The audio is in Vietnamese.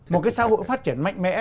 một cái xã hội phát triển mạnh mẽ